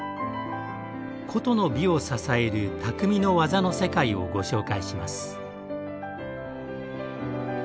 古都の美を支える「匠の技の世界」をご紹介します。